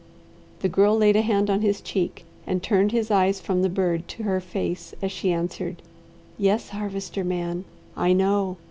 The Girl laid a hand on his cheek and turned his eyes from the bird to her face as she answered, "Yes, Harvester man, I know.